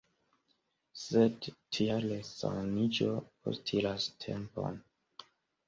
Sed tia resaniĝo postulas tempon.